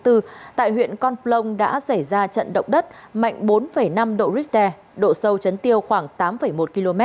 tại huyện con plong đã xảy ra trận động đất mạnh bốn năm độ richter độ sâu chấn tiêu khoảng tám một km